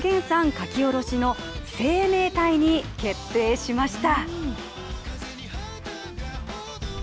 書き下ろしの「生命体」に決定しました。